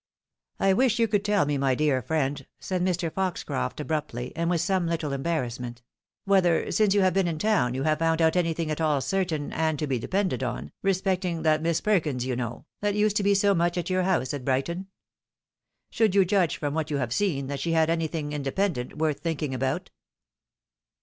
" I wish you could tell me, my dear friend," said Mr. Fox croft, abruptly, and with some little embarrassment, " whether, since you have been in town, you have found out anything at aU certain and to be depended on respecting that Miss Perkins you know, that used to be so much at your house at Brighton ? Should you judge from what you have seen, that she had any thing independent worth thinking about